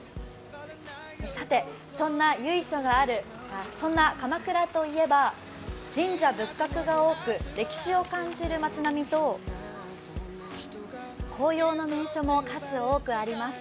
さて、そんな鎌倉といえば神社仏閣が多く、歴史を感じる町並みと、紅葉の名所も数多くあります。